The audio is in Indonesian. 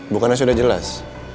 bukannya sudah jelas